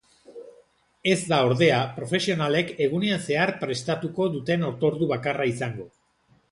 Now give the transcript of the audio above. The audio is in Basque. Ez da ordea, profesionalek egunean zehar prestatuko duten otordu bakarra izango.